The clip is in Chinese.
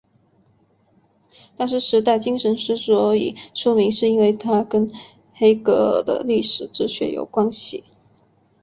但是时代精神之所以出名是因为它跟黑格尔的历史哲学有关系。